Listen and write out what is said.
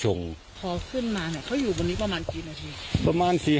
พอขึ้นมาเนี้ยเค้าอยู่บริสุทธิ์นี้เปราะมากกินนาที